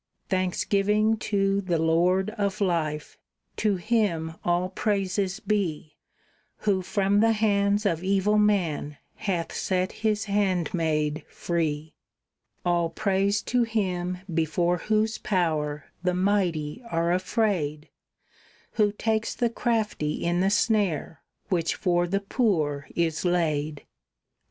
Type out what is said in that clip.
Thanksgiving to the Lord of life! to Him all praises be, Who from the hands of evil men hath set his handmaid free; All praise to Him before whose power the mighty are afraid, Who takes the crafty in the snare which for the poor is laid!